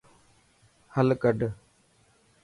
حل ڪڌ.